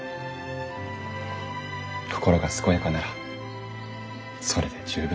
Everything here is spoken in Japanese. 心が健やかならそれで十分。